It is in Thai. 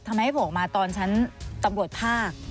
ทำไมไม่โผล่ออกมาตอนชั้นตำรวจภาค